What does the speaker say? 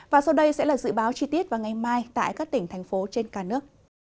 và sau đây sẽ là dự báo chi tiết vào ngày mai tại các tỉnh thành phố trên cả nước